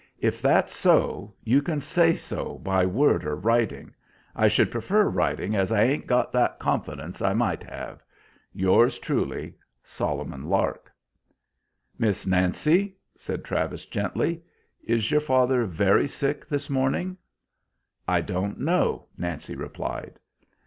If that's so you can say so by word or writing. I should prefer writing as I aint got that confidence I might have. Yours truly, SOLOMON LARK. "Miss Nancy," said Travis gently, "is your father very sick this morning?" "I don't know," Nancy replied.